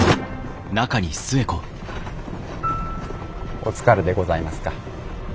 お疲れでございますか？